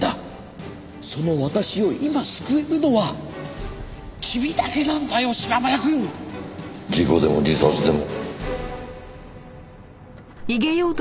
その私を今救えるのは君だけなんだよ島村くん！事故でも自殺でも。